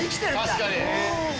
確かに。